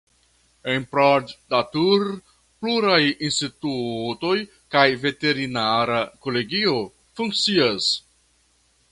En Proddatur pluraj institutoj kaj veterinara kolegio funkcias.